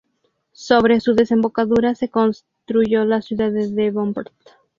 Sobre su desembocadura se construyó la ciudad de Devonport.